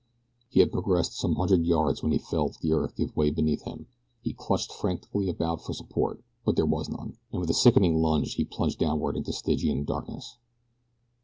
He had progressed some hundred yards when he felt the earth give way beneath him. He clutched frantically about for support, but there was none, and with a sickening lunge he plunged downward into Stygian darkness.